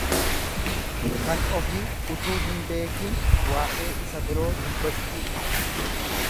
Kan ofii utuu hin beekin waa'ee isa biroo dubbachuu ibsa.